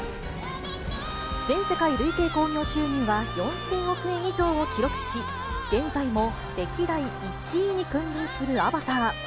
全世界累計興行収入は４０００億円以上を記録し、現在も歴代１位に君臨するアバター。